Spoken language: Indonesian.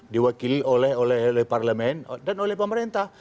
diwakili oleh parlemen dan oleh pemerintah